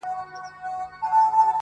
o بنده ليري مښلولې، خداى لار ورته نيولې٫